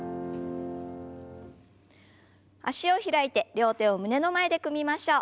脚を開いて両手を胸の前で組みましょう。